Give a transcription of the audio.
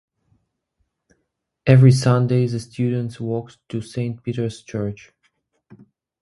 Every Sunday the students walked to Saint Peter's Church.